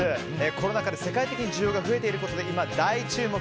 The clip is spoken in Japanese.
コロナ禍で世界的に需要が増えていることで今、大注目。